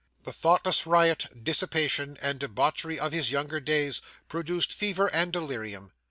The thoughtless riot, dissipation, and debauchery of his younger days produced fever and delirium.